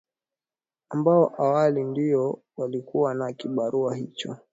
ambao awali ndio walikuwa na kibarua hicho